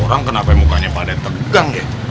orang kenapa mukanya pada tegang deh